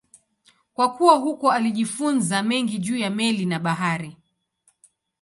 Kwa kukua huko alijifunza mengi juu ya meli na bahari.